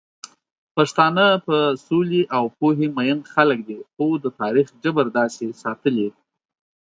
پښتانه په سولې او پوهې مئين خلک دي، خو د تاريخ جبر داسې ساتلي